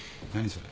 それ。